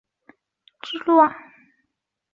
曾平定宕昌羌之乱。